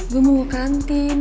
gue mau ke kantin